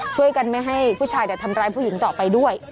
ช่วยกันไม่ให้ผู้ชายทำร้ายผู้หญิงต่อไปด้วย